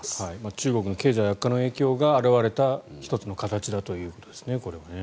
中国の経済悪化の影響が表れた１つの形だということですね。